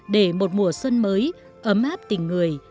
để một mùa xuân mới ấm áp tình người